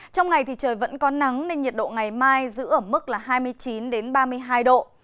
trong ngày thì trời vẫn có nắng nên nhiệt độ ngày mai giữ ở mức là hai mươi chín ba mươi hai độ